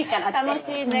楽しいね。